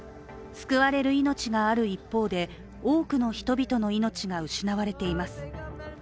救われる命がある一方で、多くの人々の命が失われています。